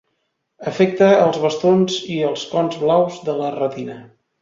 Afecta els bastons i als cons blaus de la retina.